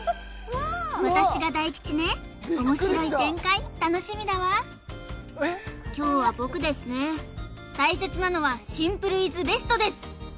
私が大吉ね面白い展開楽しみだわ凶は僕ですね大切なのはシンプルイズベストです！